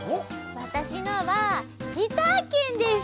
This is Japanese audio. わたしのは「ギター券」です。